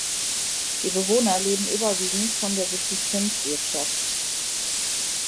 Die Bewohner leben überwiegend von der Subsistenzwirtschaft.